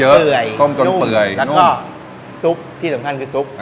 แล้วก็ซุปที่สำคัญคือซุป